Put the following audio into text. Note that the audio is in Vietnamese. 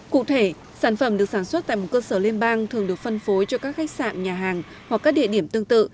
cụ thể sản phẩm được sản xuất tại một cơ sở liên bang thường được phân phối cho các khách sạn nhà hàng hoặc các địa điểm tương tự